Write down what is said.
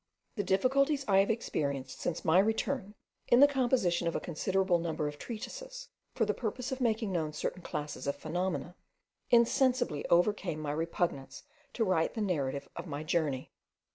The difficulties I have experienced since my return, in the composition of a considerable number of treatises, for the purpose of making known certain classes of phenomena, insensibly overcame my repugnance to write the narrative of my journey.